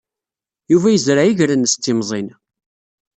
Yuba yezreɛ iger-nnes d timẓin.